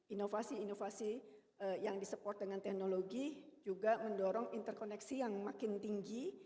inovasi inovasi yang disupport dengan teknologi juga mendorong interkoneksi yang makin tinggi